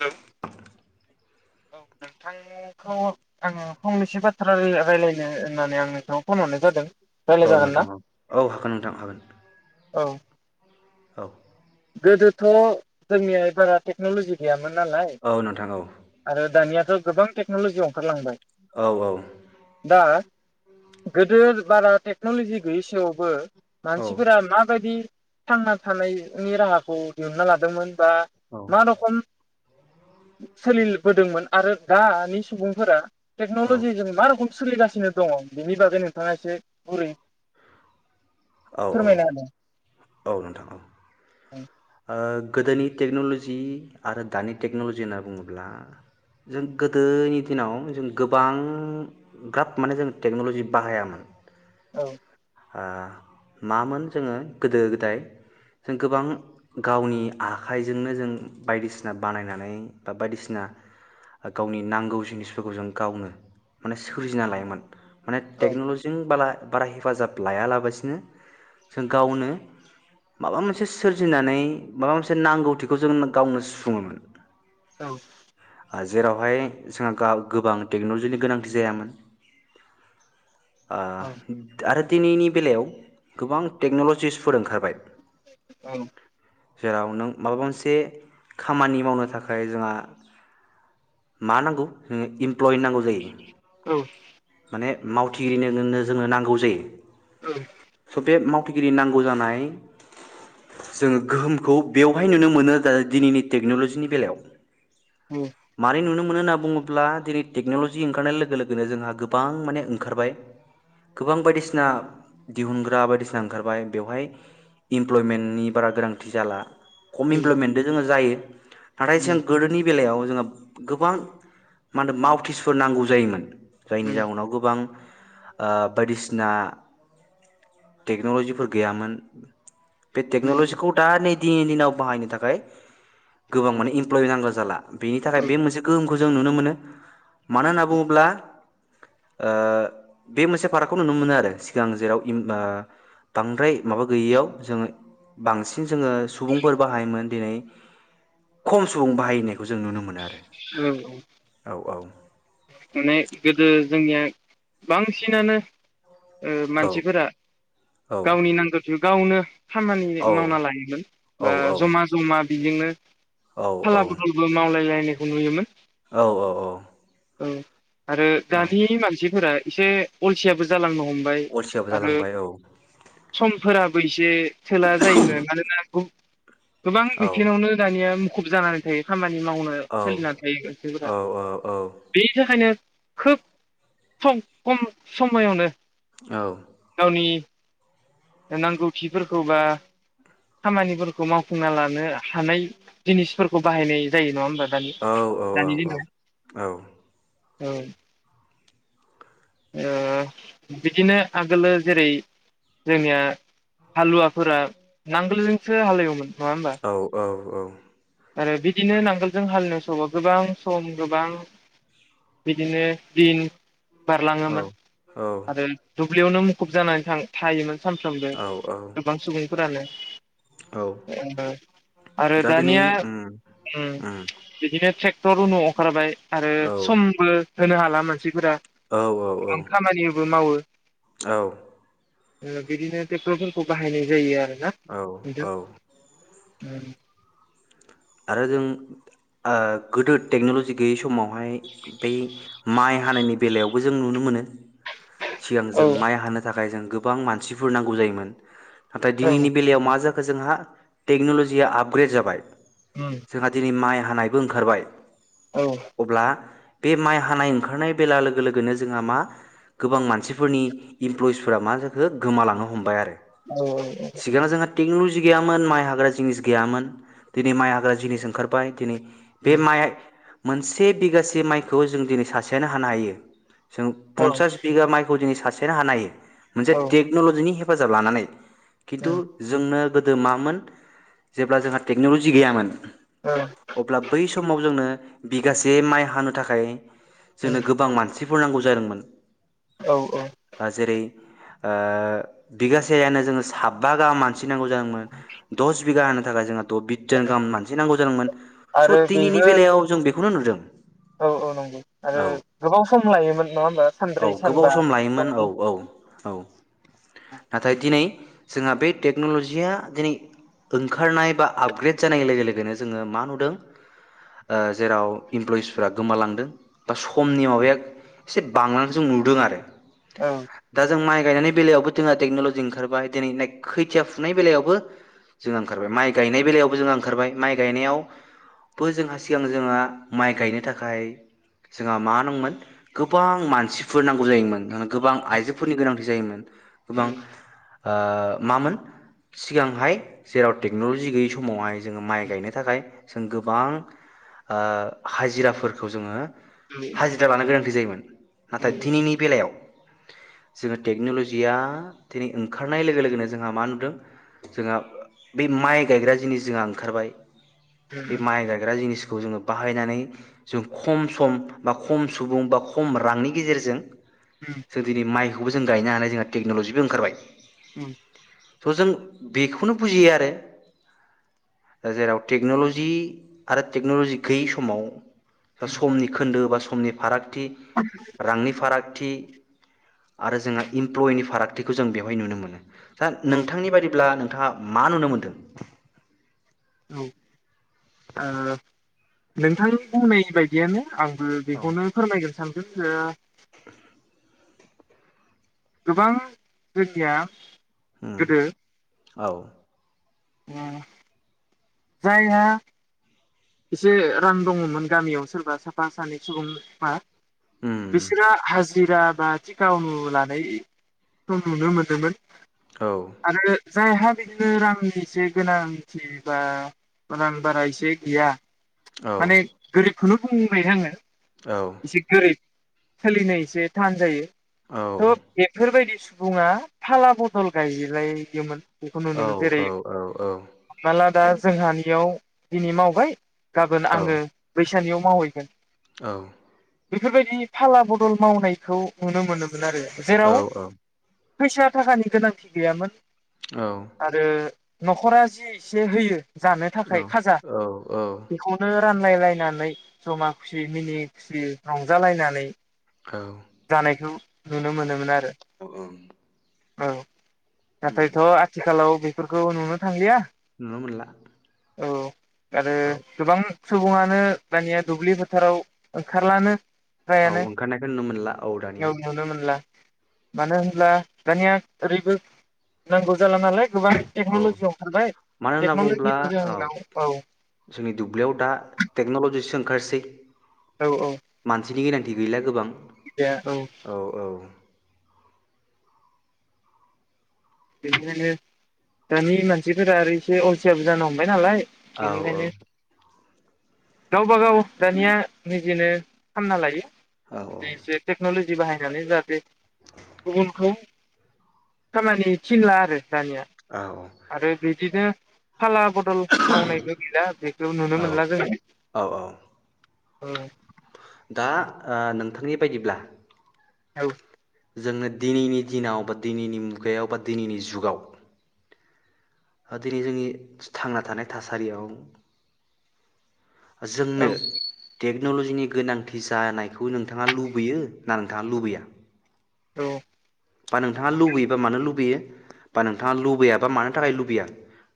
Hello औ नोंथांखौ आं फंनैसो बाथ्रा राय-रायलायनो होननानै आं नोंखौ फन हरनाय जादों औ रायलाय जागोन नोंथां ना? औ औ हागोन नोंथां हागोन औ। औ। गोदोथ' जोंनिया बारा टेक्नलजि गैयामोन। नालाय औ नोंथां औ आरो दानिया दा गोबां टेक्नलजि अंखारलांबाय। औ औ दा गोदो बारा टेक्नलजि गैयैसेआवबो मानसिफोरा मा बायदि थांना थानाय नि राहाखौ दिहुनना लादोंमोन। बा मा रखम सोलिलबोदोंमोन आरो दानि सुबुंफोरा टेक्नलजिजों मा रखम सोलिगासिनो दङ बेनि बागै नोंथाङा एसे बुरै औ औ औ औ नोंथां औ। [unintelligible] ओ गोदोनि टेक्न'ल'जि आरो दानि टेक्न'लजि होनना बुङोब्ला जों गोदोनि दिनाव जों गोबां ग्राब माने जों टेक्न'लजि बाहायामोन। औ। ओ मामोन जोङो गोदो गोदाय जों गोबां गावनि आखाइजोंनो जों बायदिसिना बानायनानै बा बायदिसिना गावनि नांगौ जिनिसफोरखौ जों गावनो माने सोरजिना लायोमोन। माने टेक्न'लजिजों बाला बारा हेफाजाब लायालाबासिनो जों गावनो माबा मोनसे सोरजिनानै माबामोनसे नांगौथिखौ जों गावनो सुफुङोमोन। औ। जेरावहाय जोंहा गोबां टेक्न'लजिनि गोनांथि जायामोन। आ आरो दिनैनि बेलायाव गोबां टेक्न'ल'जिसफोर ओंखारबाय। औ। जेराव नों माबा मोनसे खामानि मावनो थाखाय जोंहा मा नांगौ इमप्लय नांगौ जायो। [unintelligible] माने मावथिगिरिनो जोंनो नांगौ जायो। [unintelligible] माव थिगिरि नांगौ जानाय जोङो गोहोमखौ बेवहाय नुनो मोनो दिनैनि टेक्न'लजिनि बेलायाव। गोदो मारै नुनो मो [unintelligible] मोनो बुङोब्ला दिनै टेक्न'लजि ओंखारनाय लोगो लोगोन जोंहा गोब बां माने ओंखारबाय गोबां बायदिसिना दिहुनग्रा बायदिसिना ओंखारबाय बेवहाय इमप्लयमेन्टनि बारा गोनांथि जाला। खम इमप्लयमेन्टजों जोङो जायो नाथाय जों गोदोनि बेलायाव। जोंहा गोबां मा होनदो मावथिसफोर नांगौ जायोमोन। जायनि जाउनाव गोबां ओ बायदिसिना टेक्न'लजिफोर गैयामोन। बे टेक्न'लजिखौ दा नै दिनैनि दिनाव बाहायनो थाखाय गोबां माने इमप्लय नांगौ जाला। बेनि थाखाय बे मोनसे गोहोम खौ जों नुनो मोनो मानो होनना बुङोब्ला ओ बे मोनसे फारागखौ नुनो मोनो आरो सिगां जेराव इम ओ बांद्राय माबा गैयैयाव जोङो बांसिन जोङो सुबुंफोर बाहायोमोन दिनै खम सुबुं बाहायनायखौ जों नुनो मोनो आरो। औ-औ। औ औ माने गोदो जोंनिया बांसिनानो ओ औ मानसिफोरा गावनि नांगो गावनो खामानि औ मावना लायोमोन औ बा जमा जमा बिजोंनो औ फाला बदलबो मावलायलायनो नुयोमोन। औ औ औ। औ। आरो औ दानि मानसिफोरा एसे अलसियाबो जालांन' हमबाय अलसियाबो आरो जालांबाय औ समफोरा बैसे सोला जायोमोन मानोना [inaudible] गोबां औ बिथिङावनो दानिया खुब जानानै थायो खामानि नि मावनो औ सोलिनानै थायो खायसेफोरा। औ औ बेनि थाखायनो खोब सम खम समायावनो औ गावनि नांगौथिफोरखौ बा खामानिफोरखौ मावफुंना लानो हानाय जिनिसफोरखौ बाहायनाय जायो नङा होमबा? दानि औ औ दानि औ औ दिनाव औ। औ। ओ बिदिनो आगोलो जेरै जोंनिया हालुवाफोरा नांगोलजोंसो हालेवोमोन। नङा होमबा औ औ। औ। आरो बिदिनो नांगोलजों हालिनाय समाव गोबां सम गोबां बिदिनो दिन बारलाङोमोन‌। औ आरो दुब्लियावनो मुुखुब जानानै थां थायोमोन सानफ्रोमबो औ गोबां सुबुंफोरानो। औ ओ आरो दानिया उम बिदिनो ट्रे क्टर अखारबाय आरो औ समबो होनो हाला मानसिफोरा औ आं खामानिबो मावो। [inaudible] औ। उम बिदिनो टेक्टर फोरखौ बाहायनाय जायो आरो औ औ। ओम। आरो जों आ गोदो टेक्न'लजि गैयै समावहाय बै माइ हानायनि बेलायावबो जों नुनो मोनो सिगां जों औ माइ हानो थाखाय जों गोबां मानसिफोर नांगौ जायोमोन। नाथाय औ दिनैनि बेलायाव मा जा खो जोंहा टेक्न'ल'जिया आपग्रेड जाबाय। उम जोंहा दिनै माइ हानायबो ओंखारबाय। औ अब्ला बे माइ हानाय ओंखारनाय बेला लोगो लोगोनो जोंहा मा गोबां मानसिफोरनि इमप्लयिस फोरा मा जाखो गोमालांनो हमबाय आरो। औ सिगां जोंहा टेक्नलजि गैयामोन माइ हाग्रा जिनिस गैयामोन दिनै माइ हा ग्रा जिनिस ओंखारबाय दिनै बे माइ मोनसे बिगासे माइखौ जों दिनै सासेयानो हानो हायो। जों औ पन्सास बिघा माइखौ दिनै सा सेयानो हानो हायो। मोनसे औ टेक्न'लजिनि हे फाजाब लानानै। खिन्थु उम जोंनो गोदो मामोन जेब्ला जोंहा टेक्न'लजि गैयामोन औ अब्ला बै समाव जोंनो बिगासे माइ हानो थाखाय जोंनो उम गोबां मान सिफोर नांगौ जादोंमोन। औ औ दा जेरै ओ बिगासेयानो जोङो साबा गाहाम मान सि नांगौ जादोंमोन दस बिगा हानो थाखाय जोंहा थ बिथ जोन गाहाम मान सि नांगौ जादोंमोन स आरो दिनैनि बेबो बेलायाव जों बे खौनो नुदों औ औ नंगौ आरो औ गोबाव सम लायोमोन नङा होमबा औ सानब्रै गोबाव सानबा सम लायोमोन औ औ औ नाथाय दिनै जोंहा बे टेक्न'ल'जिया दिनै ओंखारनाय बा आपग्रेड जानाय लोगो लोग नो जोङो मा नुदों ओ-जेराव इमप्लयिसफ्रा गोमालांदों। दा समनि माबाया एसे बांनाखौ जों नुदों आरो। उम दा जों माइ गायनायनि बेलायावबो जोंहा टेक्न'लजि ओंखारबाय दिनै खैथिया फुनाय बेलायावबो जोंहा ओंखारबाय माइ गायनाय बेलायावबो जोंङो ओंखारबाय। माइ गायनायावबो जोंहा सिगां जोंहा माइ गायनो थाखाय जोंहा मा दंमोन गोबां मानसिफोर नांगौ जायोमोन। गोबां आइजोफोरनि गोनांथि जायोमोन। गोबां उम ओ-मामोन सिगांहाय जेराव टेक्न'लजि गैयि समावहाय जोङो मा गायनो थाखाय। जों गोबां ओ-हाजिराफोरखौ जोङो। उम हाजिरा लानो गोनांथि जायोमोन औ नाथाय दिनैनि बेलायाव। जोङो टेक्न'लजिया दिनै ओंखारनाय लोगो लोगोनो जोंहा मा नुदों? जोंहा बै माइ गायग्रा जिनिस जोंहा ओंखारबाय। बे माइ गायग्रा जिनिसखौ खौ जोङो बाहायनानै जों खम सम बा खम सुबुं बा कम रांनि गजेरजों जों दिनै माइ बेखौबो जों गायनो हानाय जोंहा टेक्नलजिबो ओंखारबाय। औ थ' जों बेखौनो बुजियो आरो दा जेराव टेक्न'लजि आरो टेक्न'ल'जि गैयै समाव समनि खोन्दो बा समनि फाराग थि रांनि फाराग थि आरो जोंहा इमप्लयनि फारागथिखौ जों बेवहाय नुनो मोनो। दा नोंथांनि बाददिब्ला नोंथाङा। मा नुनो मोनदों? औ नोंथांनि बुंनाय बायदियानो। आंबो बेखौनो फोरमायगोन‌ सान ओम गोबां गोदिया उम गोदो। औ ओम जायहा एसे रां दङमोन गामियाव सोरबा साफा सानै सुबुंआ उम बिसोरो हाजिर हाजिरा बा थिका उनु लानायखौ नुनो मोनदोंमोन। औ। आरो जायहा बिदिनो रांनि एसे गोनांथि बा रां बारा एसे गैया औ माने गोरिब बेनो बुंबाय आङो। औ एसे गोरिब। सोलिनो एसे थान जायो। औ थ बेफोर बायदि सुबुङा फाला बदल गायलायोमोन। बेखौ औ नुनो मोनो जेरै औ औ हामनाला दा जोंहानियाव दिनै मावबाय गाबोन आङो बै सानिआव मावहैगोन। औ। बेफोरबायदि फाला बदल मावनायखौ नुनो मोनोमोन। आरो जेराव औ फैसा थाखानि गोनांथि गैयामोन‌। आरो न'खरा जि एसे होयो जानो थाखाय खाजा औ बेखौनो रानलायलायनानै जमा खुसि मिनि खुसि रंजालायनानै औ। जानायखौ नुनो मोनोमोन आरो। औ औ। औ। नाथायथ' आथिखालाव बेफोरखौ नुनो थांलिया नुनो मोनला औ। आरो औ गोबां सुबुङानो दानिया दुब्लि फोथाराव ओंखारलानो औ ओंखारनायखो नुनो मोनला। औ नुनो मोन ला मानो होनब्ला दानिया ओरैबो नांगौ जाला नालाय गोबां औ टेक्न'लजि ओंखारबाय मानो होनना बुङोब्ला टेक्न'लजिनि औ जाहोनाव औ जोंनि दुब्लियाव दा टेक्न'लजि सों [unintelligible] औ औ बिनि गोनांथि गैला गोबां औ -औ बिनिखायनो दानि मानसिफोरा आरो एसे अलसिया बो जानो हमबाय नालाय औ बेनिखायनो -औ गावबा गाव दानिया निजेनो खामना लायो। औ एसे टेक्नलजि बाहायनानै जाहाथे गुबुनखौ खामानि थिनला आरो दानिया औ आरो बिदिनो फाला बदल मावनायबो गैला, बेखौ नुनो औ मोनला जोङो। औ औ ओ दा ओ नोंथांनि बायदिब्ला औ जोङो दिनैनि दिनाव बा दिनैनि मुगायाव बा दिनैनि जुगाव ओ दिनै जोंनि थांना थानाय थासारियाव जोंनो औ टे क्न'लजिनि गोनांथि जानायखौ नोंथाङा लुबैयो ना, नोंथाङा लुबैया? औ- बा नोंथाङा लुबैयोबा मानो लुबैयो बा नोंथाङा लुबैयाबा मानो थाखाय लुबैया?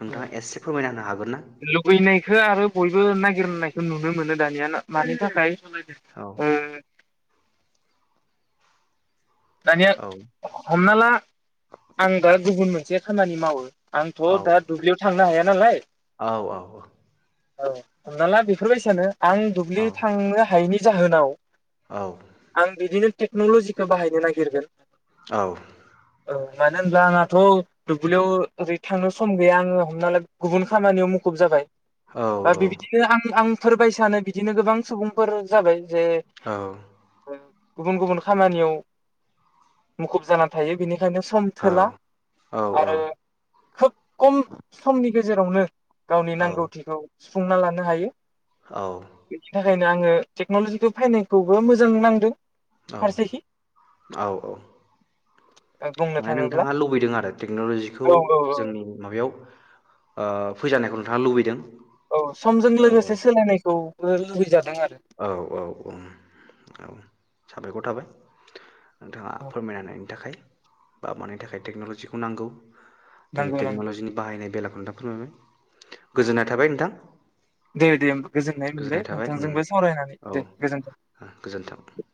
नोंथाङा एसे फोरमायना होनो हागोन ना लुबैनायखौ आरो बयबो नाय गिरनायखौ नुनो मोनो दानिया, मानि थाखाय उम औ दानिया औ हमना ला आं दा गुबुन मोनसे खामानि मावो आंथ' औ दा दुब्लियाव थांनो हाया नालाय औ औ औ हमना ला बेफोर बायसानो आं औ दुब्लि थांनो हायैनि जाहोनाव आं बिदिनो टेक्नल'जिखौ बाहायनो ना गिरगोन औ औ मानो होनब्ला आंहाथ' दुब्लियाव ओरै थांनो सम गैया आङो हमना ला गुबुन खामानियाव मुखुब जाबाय। औ दा बिबिदिनो आं आं फोर बायसानो बिदिनो गोबां सुबुंफोर जाबाय जे औ गुबुन गुबुन खामानियाव मुखुब जाना थायो बिनि खायनो सम औ थोला आरो खोब खम समनि गेजेरावनो गावनि औ नांगौथिखौ सुफुंना लानो हायो। औ खायनो आङो टेक्न'लजिखौ फायनायखौबो मोजां नांदो। औ फारसेखि औ औ बुंनो माने थाङोब्ला नोंथाङा लुबैदों आरो टेक्न'लजिखौ औ औ औ जोंनि माबायाव ओ फैजानायखौ नोंथाङा लुबैदों। औ समजों औ लोगोसे सोलायनायखौ बो‌ लुगै औ औ औ औ साबायखर थाबाय। नोंथाङा औ फोरमायना होनायनि थाखाय। बा मानि थाखाय टेक्न'लजिखौ नांगौ दिनै नांगौ नांगौ टेक्न'लजिनि बाहायनाय बेला [unintelligible] गोजोननाय थाबाय नोंथां। दे दे गोजोननाय मोनबाय थाबाय उम नोंथांजोंबो सावरायनानै औ दे गोजोन्थों।